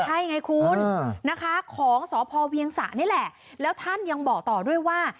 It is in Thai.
ใช่ไงคุณนะคะของสพเวียงสะนี่แหละแล้วท่านยังบอกต่อด้วยว่า